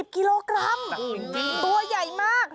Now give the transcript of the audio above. ๓๐กิโลกรัมหนักจริงตัวใหญ่มาก